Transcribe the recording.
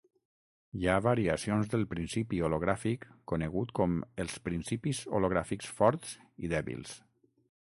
Hi ha variacions del principi hologràfic conegut com els principis hologràfics forts i dèbils.